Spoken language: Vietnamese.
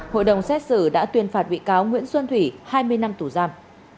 hội đồng xét xử đã tuyên phạt bị cáo nguyễn xuân thủy hai mươi năm tù giam